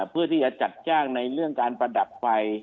เพื่อที่จะจัดจ้างในเรื่องการประดับไฟ